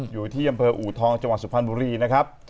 อยู่ที่อำเภออูทองจังหวัดสุพรรณบุรีนะครับ